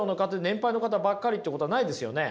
年配の方ばっかりってことはないですよね？